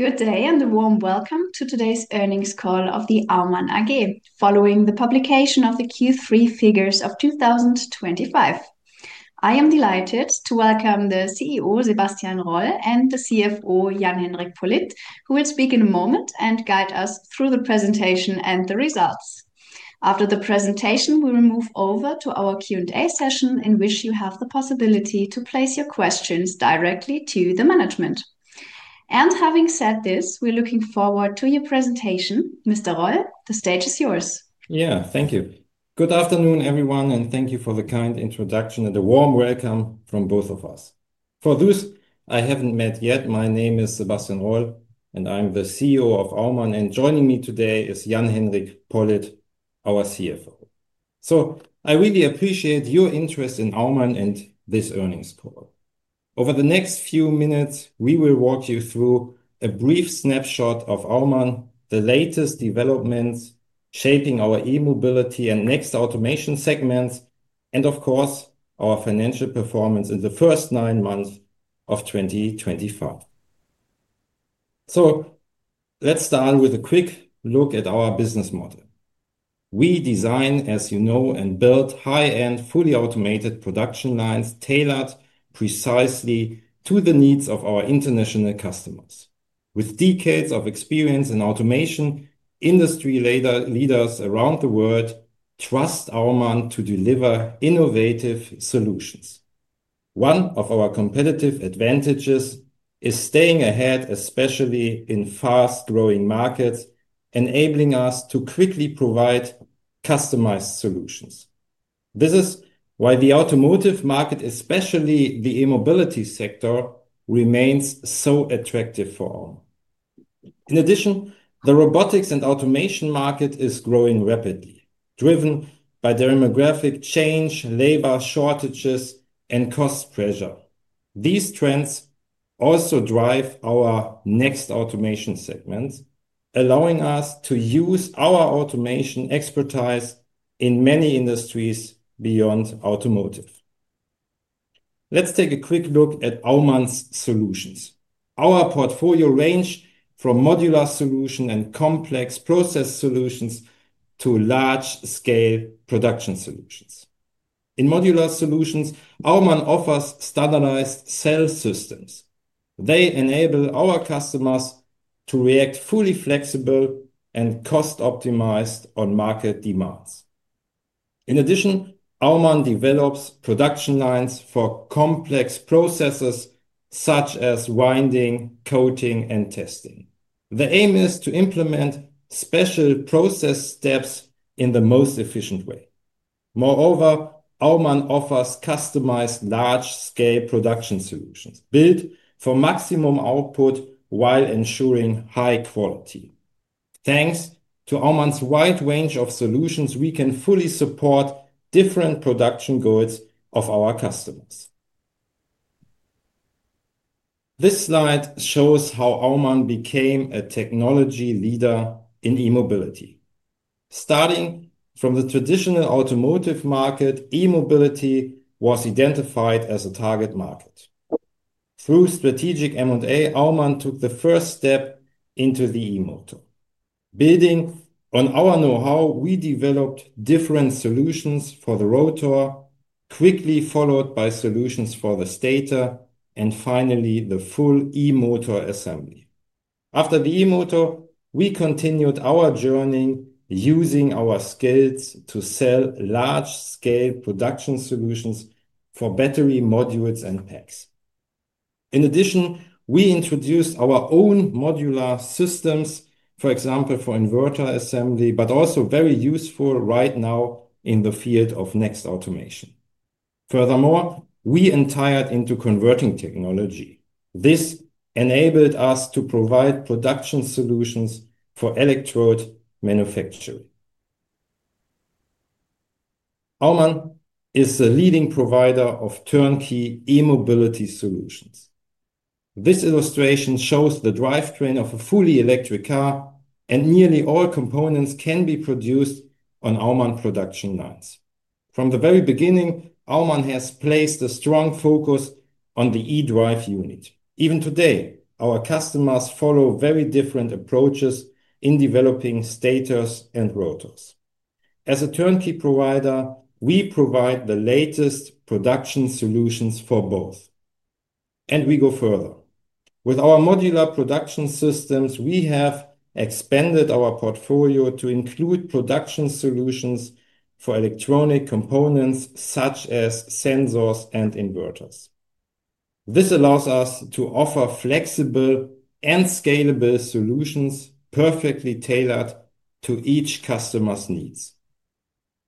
Good day and a warm welcome to Today's Earnings all of Aumann AG, following the publication of the Q3 figures of 2025. I am delighted to welcome the CEO, Sebastian Roll, and the CFO, Jan-Henrik Pollitt, who will speak in a moment and guide us through the presentation and the results. After the presentation, we will move over to our Q&A session, in which you have the possibility to place your questions directly to the management. Having said this, we're looking forward to your presentation, Mr. Roll. The stage is yours. Yeah, thank you. Good afternoon, everyone, and thank you for the kind introduction and a warm welcome from both of us. For those I haven't met yet, my name is Sebastian Roll, and I'm the CEO of Aumann, and joining me today is Jan-Henrik Pollitt, our CFO. I really appreciate your interest in Aumann and this earnings call. Over the next few minutes, we will walk you through a brief snapshot of Aumann, the latest developments shaping our e-mobility and next automation segments, and of course, our financial performance in the first nine months of 2025. Let's start with a quick look at our business model. We design, as you know, and build high-end, fully automated production lines tailored precisely to the needs of our international customers. With decades of experience in automation, industry leaders around the world trust Aumann to deliver innovative solutions. One of our competitive advantages is staying ahead, especially in fast-growing markets, enabling us to quickly provide customized solutions. This is why the automotive market, especially the e-mobility sector, remains so attractive for Aumann. In addition, the robotics and automation market is growing rapidly, driven by demographic change, labor shortages, and cost pressure. These trends also drive our next automation segments, allowing us to use our automation expertise in many industries beyond automotive. Let's take a quick look at Aumann's solutions. Our portfolio ranges from modular solutions and complex process solutions to large-scale production solutions. In modular solutions, Aumann offers standardized cell systems. They enable our customers to react fully flexible and cost-optimized on market demands. In addition, Aumann develops production lines for complex processes such as winding, coating, and testing. The aim is to implement special process steps in the most efficient way. Moreover, Aumann offers customized large-scale production solutions built for maximum output while ensuring high quality. Thanks to Aumann's wide range of solutions, we can fully support different production goals of our customers. This slide shows how Aumann became a technology leader in e-mobility. Starting from the traditional automotive market, e-mobility was identified as a target market. Through strategic M&A, Aumann took the first step into the e-motor. Building on our know-how, we developed different solutions for the rotor, quickly followed by solutions for the stator, and finally, the full e-motor assembly. After the e-motor, we continued our journey using our skills to sell large-scale production solutions for battery modules and packs. In addition, we introduced our own modular systems, for example, for inverter assembly, but also very useful right now in the field of next automation. Furthermore, we entered into converting technology. This enabled us to provide production solutions for electrode manufacturing. Aumann is the leading provider of turnkey e-mobility solutions. This illustration shows the drivetrain of a fully electric car, and nearly all components can be produced on Aumann production lines. From the very beginning, Aumann has placed a strong focus on the e-drive unit. Even today, our customers follow very different approaches in developing stators and rotors. As a turnkey provider, we provide the latest production solutions for both. We go further. With our modular production systems, we have expanded our portfolio to include production solutions for electronic components such as sensors and inverters. This allows us to offer flexible and scalable solutions perfectly tailored to each customer's needs.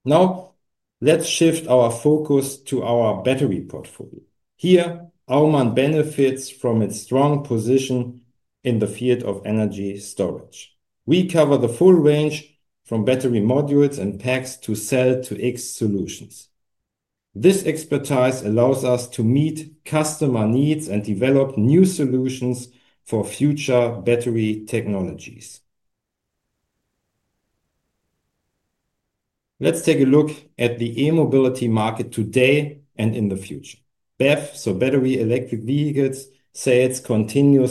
Now, let's shift our focus to our battery portfolio. Here, Aumann benefits from its strong position in the field of energy storage. We cover the full range from battery modules and packs to cell-to-X solutions. This expertise allows us to meet customer needs and develop new solutions for future battery technologies. Let's take a look at the e-mobility market today and in the future. BEV, so battery electric vehicles, sales continue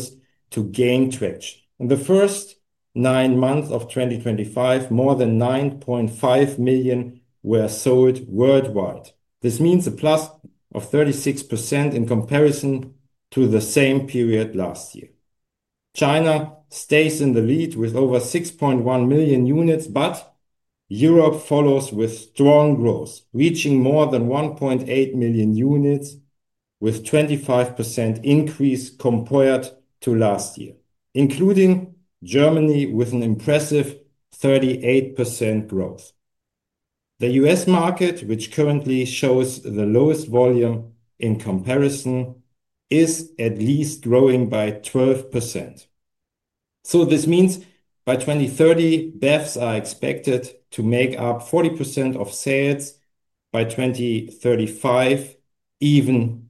to gain traction. In the first nine months of 2025, more than 9.5 million were sold worldwide. This means a plus of 36% in comparison to the same period last year. China stays in the lead with over 6.1 million units, but Europe follows with strong growth, reaching more than 1.8 million units with a 25% increase compared to last year, including Germany with an impressive 38% growth. The US market, which currently shows the lowest volume in comparison, is at least growing by 12%. This means by 2030, BEVs are expected to make up 40% of sales. By 2035, even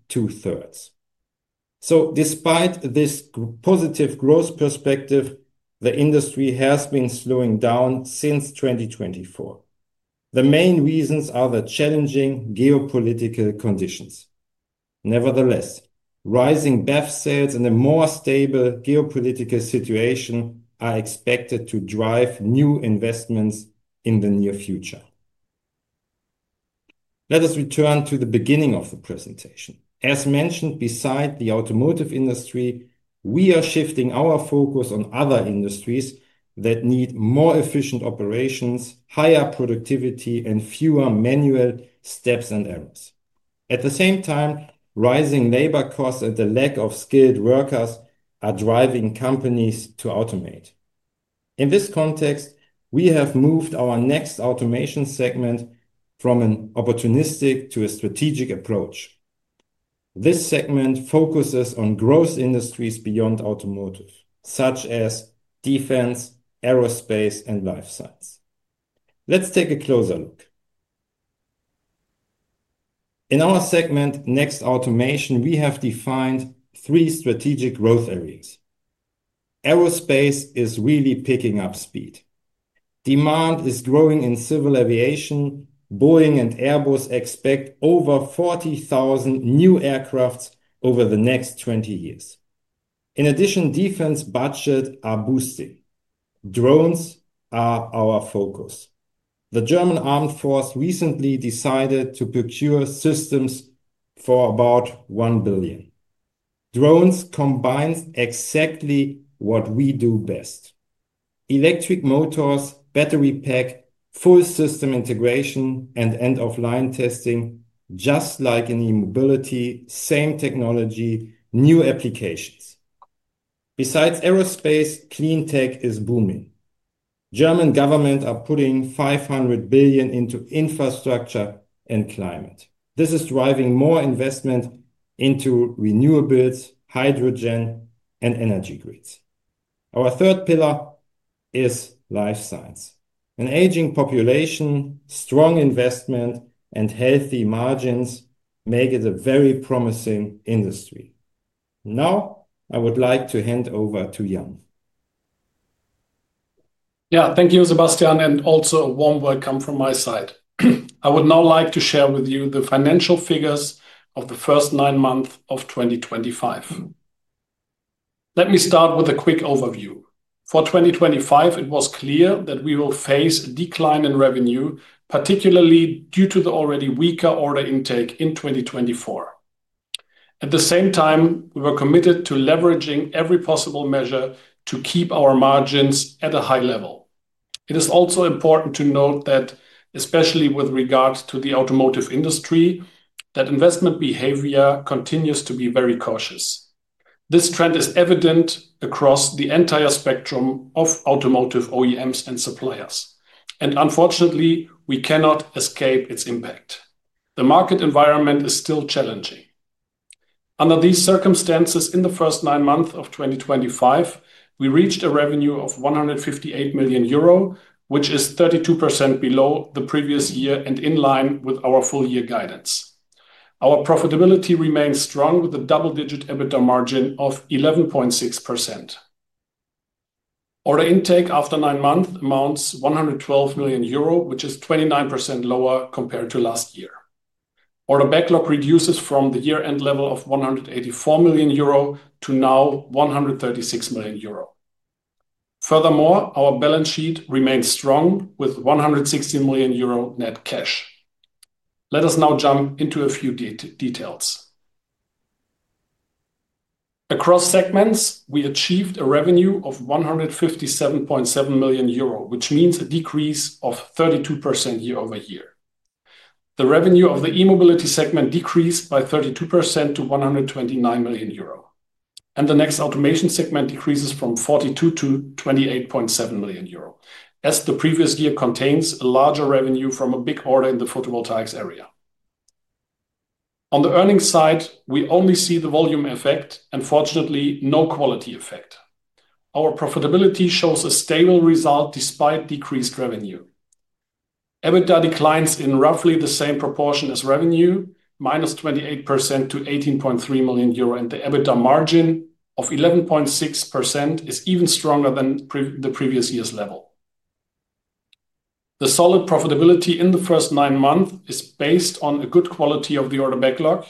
two-thirds. Despite this positive growth perspective, the industry has been slowing down since 2024. The main reasons are the challenging geopolitical conditions. Nevertheless, rising BEV sales and a more stable geopolitical situation are expected to drive new investments in the near future. Let us return to the beginning of the presentation. As mentioned, beside the automotive industry, we are shifting our focus on other industries that need more efficient operations, higher productivity, and fewer manual steps and errors. At the same time, rising labor costs and the lack of skilled workers are driving companies to automate. In this context, we have moved our next automation segment from an opportunistic to a strategic approach. This segment focuses on growth industries beyond automotive, such as defense, aerospace, and life science. Let's take a closer look. In our segment, next automation, we have defined three strategic growth areas. Aerospace is really picking up speed. Demand is growing in civil aviation. Boeing and Airbus expect over 40,000 new aircraft over the next 20 years. In addition, defense budgets are boosting. Drones are our focus. The German armed force recently decided to procure systems for about 1 billion. Drones combine exactly what we do best: electric motors, battery pack, full system integration, and end-of-line testing, just like in e-mobility, same technology, new applications. Besides aerospace, clean tech is booming. German government is putting 500 billion into infrastructure and climate. This is driving more investment into renewables, hydrogen, and energy grids. Our third pillar is life science. An aging population, strong investment, and healthy margins make it a very promising industry. Now, I would like to hand over to Jan. Yeah, thank you, Sebastian, and also a warm welcome from my side. I would now like to share with you the financial figures of the first nine months of 2025. Let me start with a quick overview. For 2025, it was clear that we will face a decline in revenue, particularly due to the already weaker order intake in 2024. At the same time, we were committed to leveraging every possible measure to keep our margins at a high level. It is also important to note that, especially with regards to the automotive industry, that investment behavior continues to be very cautious. This trend is evident across the entire spectrum of automotive OEMs and suppliers. Unfortunately, we cannot escape its impact. The market environment is still challenging. Under these circumstances, in the first nine months of 2025, we reached a revenue of 158 million euro, which is 32% below the previous year and in line with our full-year guidance. Our profitability remains strong with a double-digit EBITDA margin of 11.6%. Order intake after nine months amounts to 112 million euro, which is 29% lower compared to last year. Order backlog reduces from the year-end level of 184 million euro to now 136 million euro. Furthermore, our balance sheet remains strong with 116 million euro net cash. Let us now jump into a few details. Across segments, we achieved a revenue of 157.7 million euro, which means a decrease of 32% year-over-year. The revenue of the e-mobility segment decreased by 32% to 129 million euro. The next automation segment decreases from 42 million to 28.7 million euro, as the previous year contains a larger revenue from a big order in the photovoltaics area. On the earnings side, we only see the volume effect and, fortunately, no quality effect. Our profitability shows a stable result despite decreased revenue. EBITDA declines in roughly the same proportion as revenue, minus 28% to 18.3 million euro, and the EBITDA margin of 11.6% is even stronger than the previous year's level. The solid profitability in the first nine months is based on a good quality of the order backlog,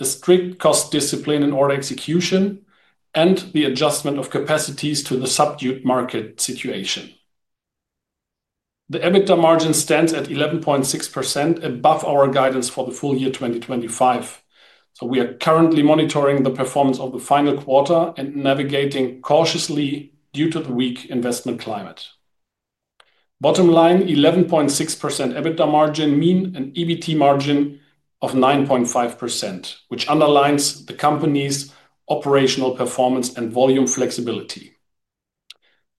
a strict cost discipline in order execution, and the adjustment of capacities to the subdued market situation. The EBITDA margin stands at 11.6% above our guidance for the full year 2025. We are currently monitoring the performance of the final quarter and navigating cautiously due to the weak investment climate. Bottom line, 11.6% EBITDA margin means an EBIT margin of 9.5%, which underlines the company's operational performance and volume flexibility.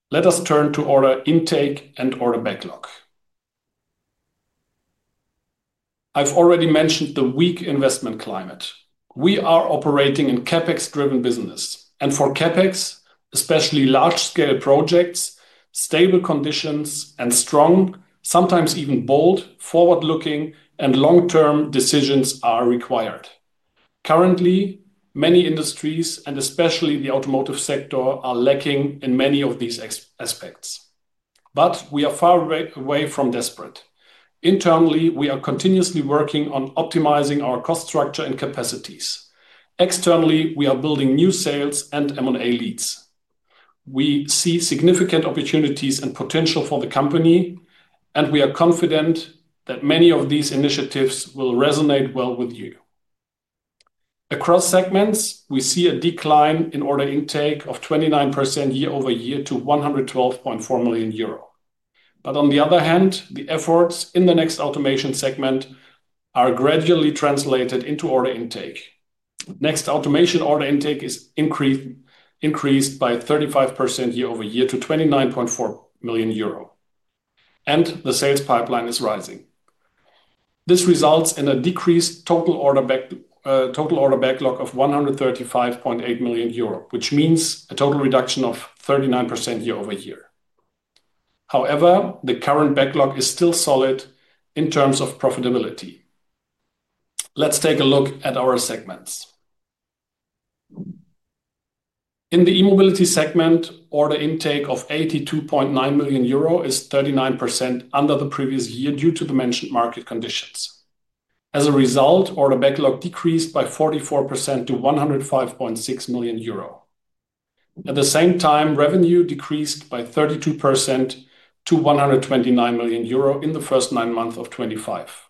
Let us turn to order intake and order backlog. I have already mentioned the weak investment climate. We are operating in a CapEx-driven business. For CapEx, especially large-scale projects, stable conditions and strong, sometimes even bold, forward-looking and long-term decisions are required. Currently, many industries, and especially the automotive sector, are lacking in many of these aspects. We are far away from desperate. Internally, we are continuously working on optimizing our cost structure and capacities. Externally, we are building new sales and M&A leads. We see significant opportunities and potential for the company, and we are confident that many of these initiatives will resonate well with you. Across segments, we see a decline in order intake of 29% year-over-year to 112.4 million euro. On the other hand, the efforts in the next automation segment are gradually translated into order intake. Next automation order intake is increased by 35% year-over-year to 29.4 million euro. The sales pipeline is rising. This results in a decreased total order backlog of 135.8 million euro, which means a total reduction of 39% year-over-year. However, the current backlog is still solid in terms of profitability. Let's take a look at our segments. In the e-mobility segment, order intake of 82.9 million euro is 39% under the previous year due to the mentioned market conditions. As a result, order backlog decreased by 44% to 105.6 million euro. At the same time, revenue decreased by 32% to 129 million euro in the first nine months of 2025.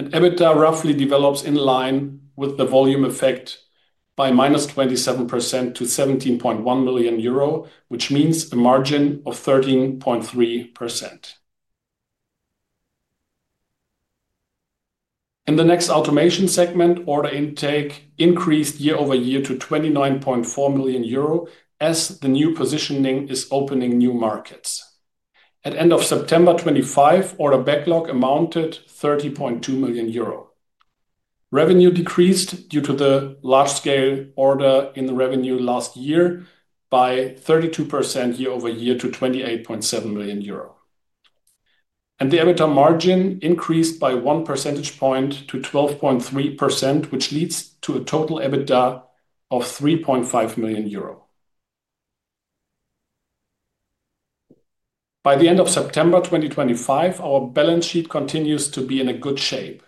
EBITDA roughly develops in line with the volume effect by minus 27% to 17.1 million euro, which means a margin of 13.3%. In the next automation segment, order intake increased year-over-year to 29.4 million euro as the new positioning is opening new markets. At the end of September 2025, order backlog amounted to 30.2 million euro. Revenue decreased due to the large-scale order in the revenue last year by 32% year-over-year to 28.7 million euro. The EBITDA margin increased by one percentage point to 12.3%, which leads to a total EBITDA of 3.5 million euro. By the end of September 2025, our balance sheet continues to be in good shape,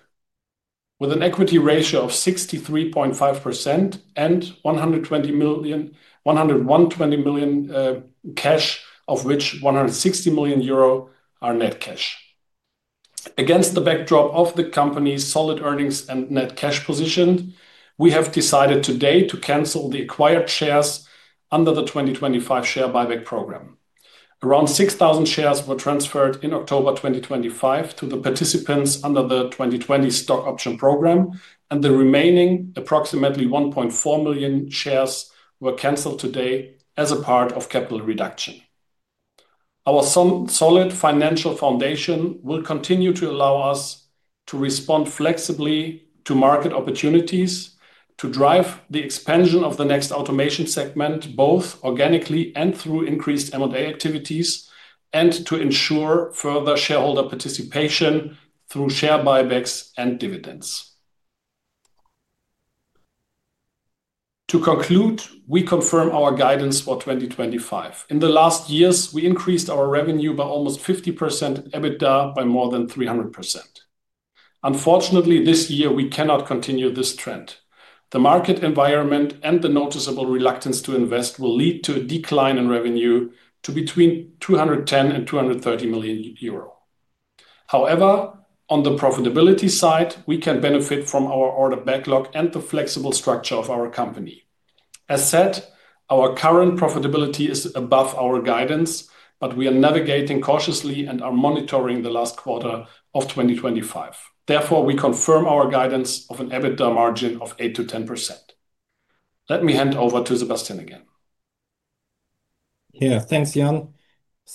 with an equity ratio of 63.5% and 120 million cash, of which 160 million euro are net cash. Against the backdrop of the company's solid earnings and net cash position, we have decided today to cancel the acquired shares under the 2025 share buyback program. Around 6,000 shares were transferred in October 2025 to the participants under the 2020 stock option program, and the remaining approximately 1.4 million shares were canceled today as a part of capital reduction. Our solid financial foundation will continue to allow us to respond flexibly to market opportunities, to drive the expansion of the next automation segment both organically and through increased M&A activities, and to ensure further shareholder participation through share buybacks and dividends. To conclude, we confirm our guidance for 2025. In the last years, we increased our revenue by almost 50% and EBITDA by more than 300%. Unfortunately, this year, we cannot continue this trend. The market environment and the noticeable reluctance to invest will lead to a decline in revenue to between 210 million and 230 million euro. However, on the profitability side, we can benefit from our order backlog and the flexible structure of our company. As said, our current profitability is above our guidance, but we are navigating cautiously and are monitoring the last quarter of 2025. Therefore, we confirm our guidance of an EBITDA margin of 8%-10%. Let me hand over to Sebastian again. Yeah, thanks, Jan.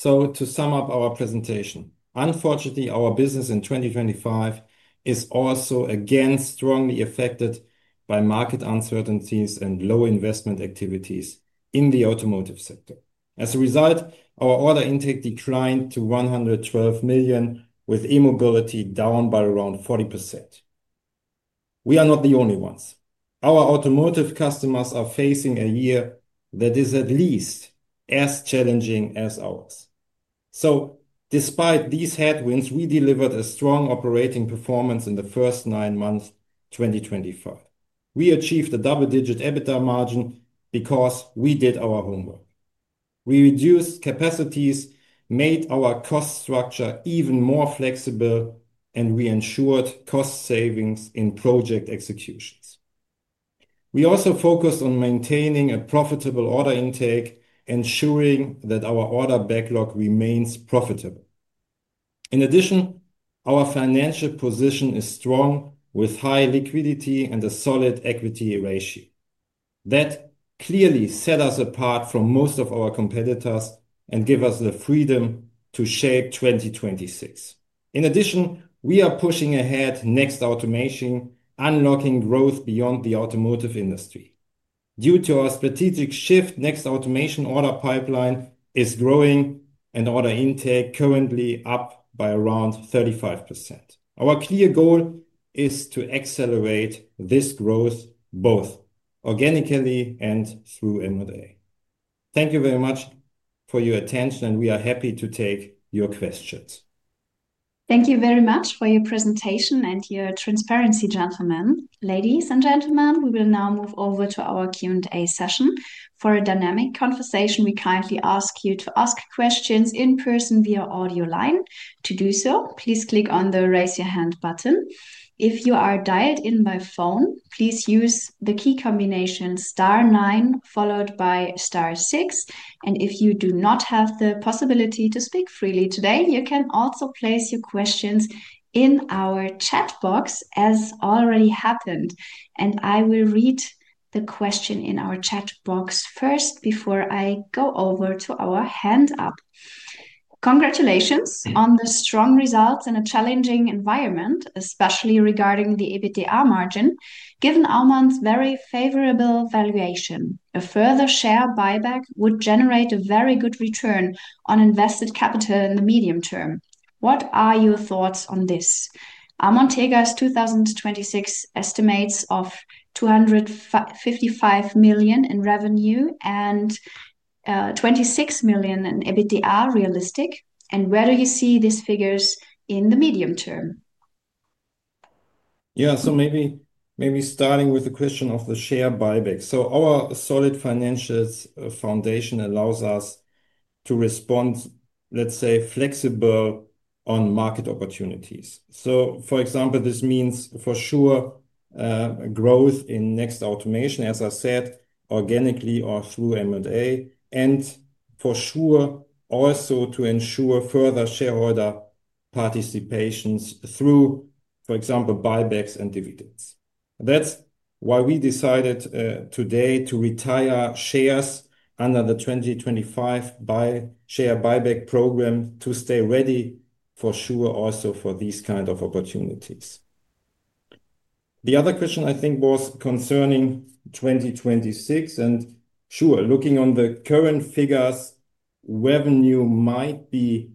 To sum up our presentation, unfortunately, our business in 2025 is also again strongly affected by market uncertainties and low investment activities in the automotive sector. As a result, our order intake declined to 112 million, with e-mobility down by around 40%. We are not the only ones. Our automotive customers are facing a year that is at least as challenging as ours. Despite these headwinds, we delivered a strong operating performance in the first nine months of 2025. We achieved a double-digit EBITDA margin because we did our homework. We reduced capacities, made our cost structure even more flexible, and we ensured cost savings in project executions. We also focused on maintaining a profitable order intake, ensuring that our order backlog remains profitable. In addition, our financial position is strong with high liquidity and a solid equity ratio. That clearly set us apart from most of our competitors and gave us the freedom to shape 2026. In addition, we are pushing ahead next automation, unlocking growth beyond the automotive industry. Due to our strategic shift, next automation order pipeline is growing and order intake currently up by around 35%. Our clear goal is to accelerate this growth both organically and through M&A. Thank you very much for your attention, and we are happy to take your questions. Thank you very much for your presentation and your transparency, gentlemen. Ladies and gentlemen, we will now move over to our Q&A session. For a dynamic conversation, we kindly ask you to ask questions in person via audio line. To do so, please click on the raise your hand button. If you are dialed in by phone, please use the key combination star nine followed by star six. If you do not have the possibility to speak freely today, you can also place your questions in our chat box, as already happened. I will read the question in our chat box first before I go over to our hand up. Congratulations on the strong results in a challenging environment, especially regarding the EBITDA margin. Given Aumann's very favorable valuation, a further share buyback would generate a very good return on invested capital in the medium term. What are your thoughts on this? Aumann Tryka's 2026 estimates of 255 million in revenue and 26 million in EBITDA realistic. Where do you see these figures in the medium term? Yeah, so maybe starting with the question of the share buyback. Our solid financial foundation allows us to respond, let's say, flexible on market opportunities. For example, this means for sure growth in next automation, as I said, organically or through M&A, and for sure also to ensure further shareholder participations through, for example, buybacks and dividends. That is why we decided today to retire shares under the 2025 share buyback program to stay ready for sure also for these kinds of opportunities. The other question I think was concerning 2026, and sure, looking on the current figures, revenue might be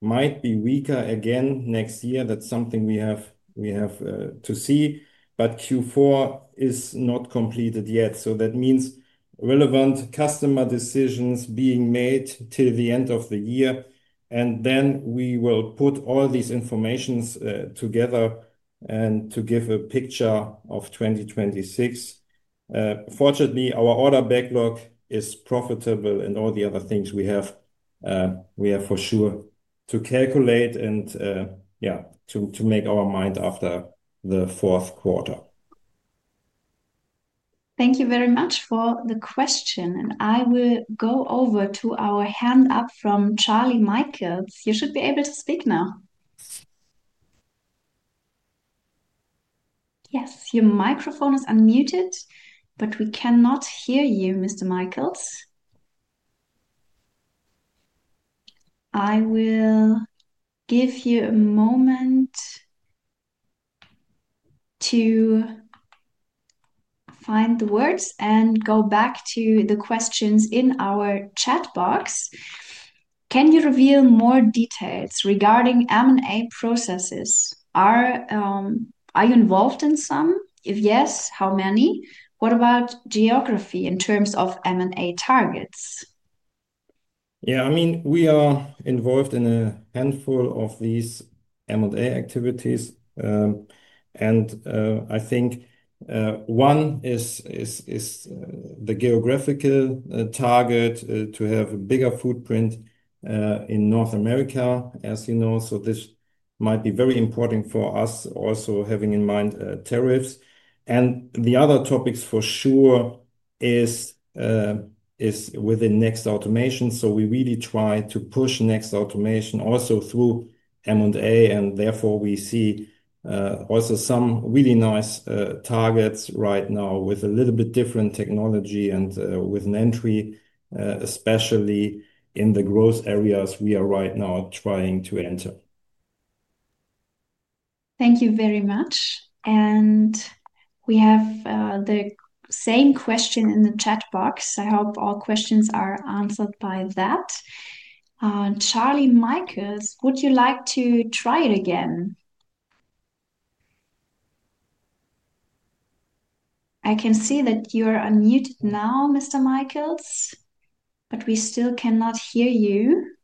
weaker again next year. That is something we have to see. Q4 is not completed yet. That means relevant customer decisions being made till the end of the year. We will put all these informations together and to give a picture of 2026. Fortunately, our order backlog is profitable and all the other things we have for sure to calculate and, yeah, to make our mind after the fourth quarter. Thank you very much for the question. I will go over to our hand up from Charlie Michaels. You should be able to speak now. Yes, your microphone is unmuted, but we cannot hear you, Mr. Michaels. I will give you a moment to find the words and go back to the questions in our chat box. Can you reveal more details regarding M&A processes? Are you involved in some? If yes, how many? What about geography in terms of M&A targets? Yeah, I mean, we are involved in a handful of these M&A activities. I think one is the geographical target to have a bigger footprint in North America, as you know. This might be very important for us, also having in mind tariffs. The other topic for sure is within next automation. We really try to push next automation also through M&A, and therefore we see also some really nice targets right now with a little bit different technology and with an entry, especially in the growth areas we are right now trying to enter. Thank you very much. We have the same question in the chat box. I hope all questions are answered by that. Charlie Michaels, would you like to try it again? I can see that you're unmuted now, Mr. Michaels, but we still cannot hear you.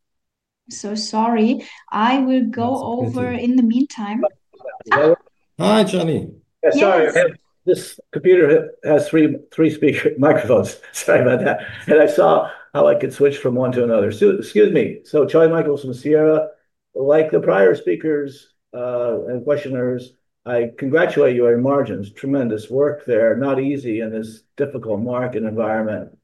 Sorry. I will go over in the meantime. Hi, Johnny. Sorry, this computer has three speaker microphones. Sorry about that. I saw how I could switch from one to another. Excuse me. Charlie Michaels from Sierra, like the prior speakers and questioners, I congratulate you on your margins. Tremendous work there. Not easy in this difficult market environment.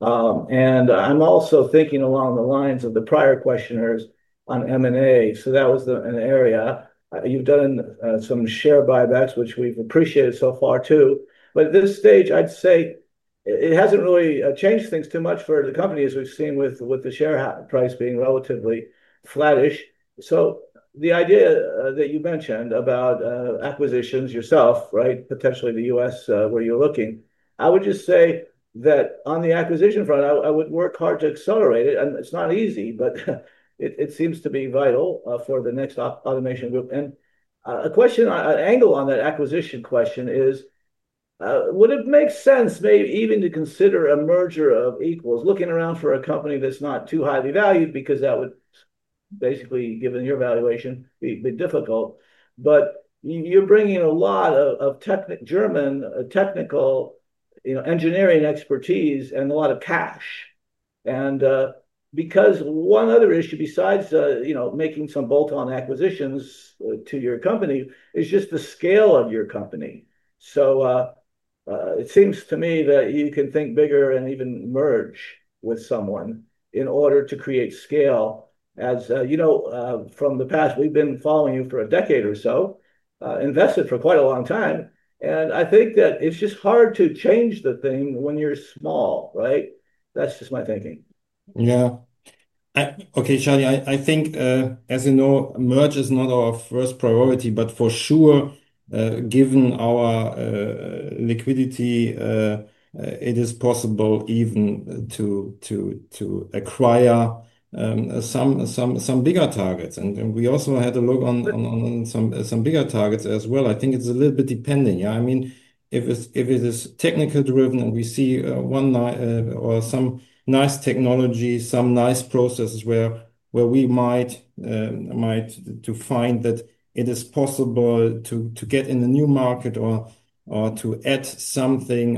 I am also thinking along the lines of the prior questioners on M&A. That was an area. You have done some share buybacks, which we have appreciated so far too. At this stage, I would say it has not really changed things too much for the company, as we have seen with the share price being relatively flattish. The idea that you mentioned about acquisitions yourself, right, potentially the US where you are looking, I would just say that on the acquisition front, I would work hard to accelerate it. It is not easy, but it seems to be vital for the next automation group. A question, an angle on that acquisition question is, would it make sense maybe even to consider a merger of equals, looking around for a company that is not too highly valued because that would basically, given your valuation, be difficult. You are bringing a lot of German technical engineering expertise and a lot of cash. One other issue besides making some bolt-on acquisitions to your company is just the scale of your company. It seems to me that you can think bigger and even merge with someone in order to create scale. As you know from the past, we have been following you for a decade or so, invested for quite a long time. I think that it is just hard to change the thing when you are small, right? That's just my thinking. Yeah. Okay, Charlie, I think, as you know, merge is not our first priority, but for sure, given our liquidity, it is possible even to acquire some bigger targets. We also had a look on some bigger targets as well. I think it's a little bit depending. Yeah, I mean, if it is technical driven and we see one or some nice technology, some nice processes where we might find that it is possible to get in a new market or to add something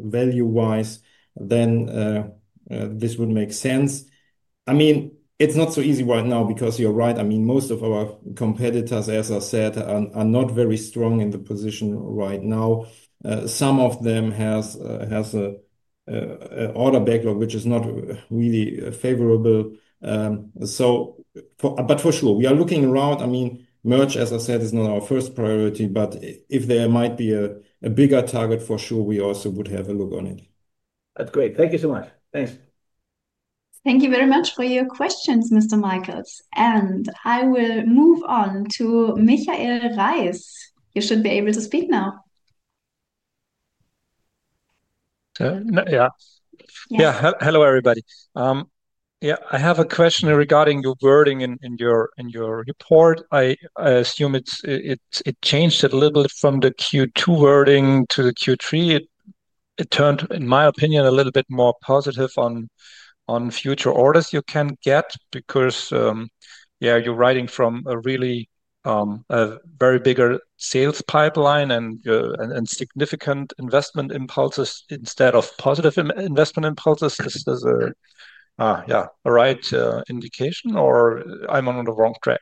value-wise, then this would make sense. I mean, it's not so easy right now because you're right. I mean, most of our competitors, as I said, are not very strong in the position right now. Some of them have an order backlog, which is not really favorable. For sure, we are looking around. I mean, merge, as I said, is not our first priority, but if there might be a bigger target, for sure, we also would have a look on it. That's great. Thank you so much. Thanks. Thank you very much for your questions, Mr. Michaels. I will move on to Michael Reiss. You should be able to speak now. Yeah. Yeah, hello, everybody. Yeah, I have a question regarding your wording in your report. I assume it changed a little bit from the Q2 wording to the Q3. It turned, in my opinion, a little bit more positive on future orders you can get because, yeah, you're writing from a really very bigger sales pipeline and significant investment impulses instead of positive investment impulses. Is this, yeah, a right indication, or am I on the wrong track?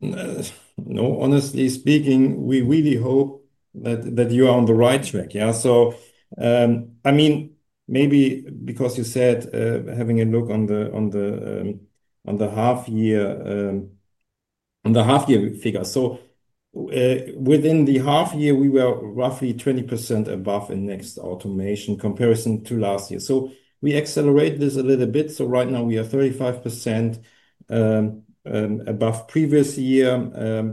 No, honestly speaking, we really hope that you are on the right track. Yeah. I mean, maybe because you said having a look on the half-year figure. Within the half-year, we were roughly 20% above in next automation comparison to last year. We accelerate this a little bit. Right now, we are 35% above previous year,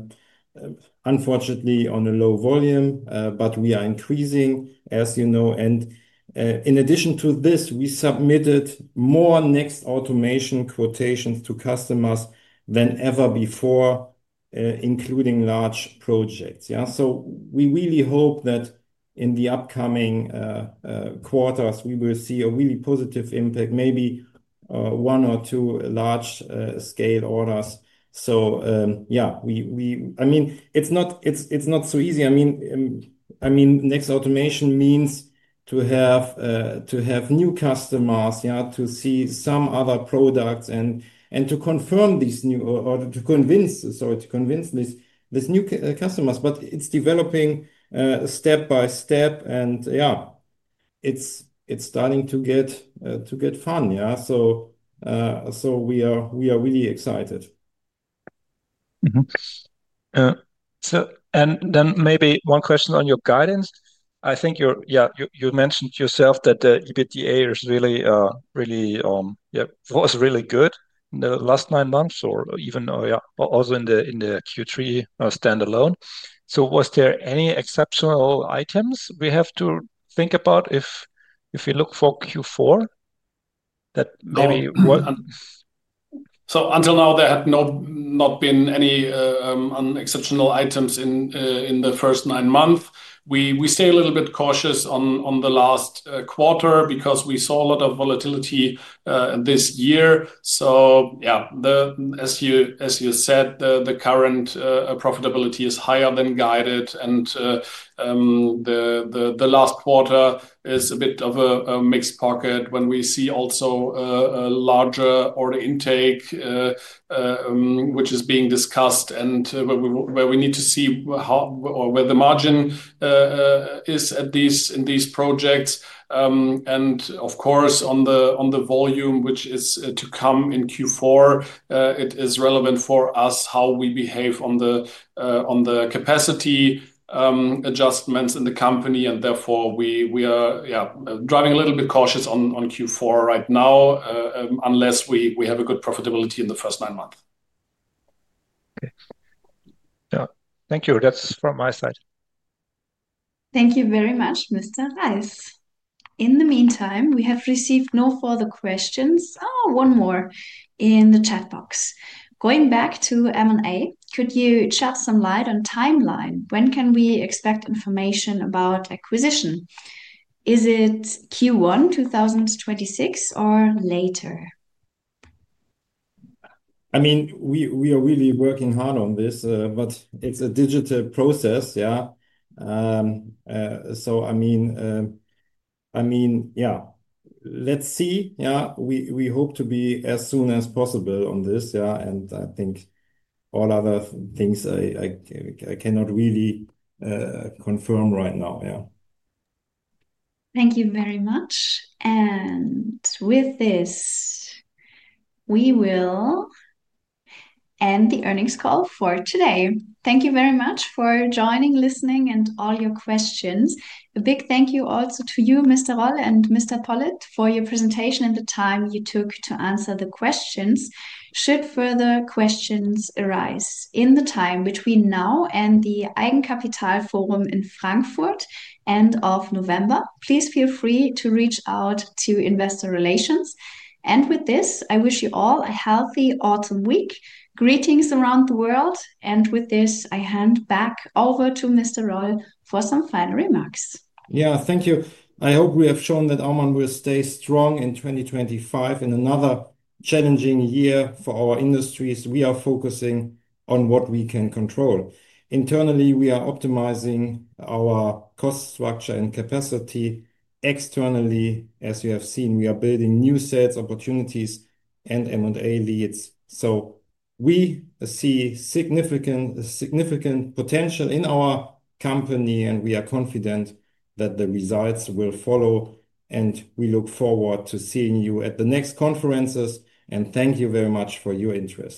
unfortunately on a low volume, but we are increasing, as you know. In addition to this, we submitted more next automation quotations to customers than ever before, including large projects. Yeah. We really hope that in the upcoming quarters, we will see a really positive impact, maybe one or two large-scale orders. I mean, it's not so easy. I mean, next automation means to have new customers, yeah, to see some other products and to confirm these new or to convince this new customers. It is developing step by step. Yeah, it is starting to get fun. Yeah, we are really excited. Maybe one question on your guidance. I think, yeah, you mentioned yourself that EBITDA was really good in the last nine months or even also in the Q3 standalone. Was there any exceptional items we have to think about if we look for Q4 that maybe? Until now, there have not been any exceptional items in the first nine months. We stay a little bit cautious on the last quarter because we saw a lot of volatility this year. Yeah, as you said, the current profitability is higher than guided. The last quarter is a bit of a mixed pocket when we see also a larger order intake, which is being discussed and where we need to see where the margin is at these projects. Of course, on the volume, which is to come in Q4, it is relevant for us how we behave on the capacity adjustments in the company. Therefore, we are driving a little bit cautious on Q4 right now unless we have a good profitability in the first nine months. Yeah. Thank you. That's from my side. Thank you very much, Mr. Reiss. In the meantime, we have received no further questions. Oh, one more in the chat box. Going back to M&A, could you shed some light on timeline? When can we expect information about acquisition? Is it Q1 2026 or later? I mean, we are really working hard on this, but it's a digital process. Yeah. I mean, yeah, let's see. Yeah, we hope to be as soon as possible on this. Yeah. I think all other things I cannot really confirm right now. Yeah. Thank you very much. With this, we will end the earnings call for today. Thank you very much for joining, listening, and all your questions. A big thank you also to you, Mr. Roll and Mr. Pollitt, for your presentation and the time you took to answer the questions. Should further questions arise in the time between now and the Eigenkapitalforum in Frankfurt end of November, please feel free to reach out to investor relations. With this, I wish you all a healthy autumn week. Greetings around the world. With this, I hand back over to Mr. Roll for some final remarks. Yeah, thank you. I hope we have shown that Aumann will stay strong in 2025 in another challenging year for our industries. We are focusing on what we can control. Internally, we are optimizing our cost structure and capacity. Externally, as you have seen, we are building new sales opportunities and M&A leads. We see significant potential in our company, and we are confident that the results will follow. We look forward to seeing you at the next conferences. Thank you very much for your interest.